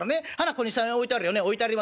ここに３円置いてあるよね置いてありますよね。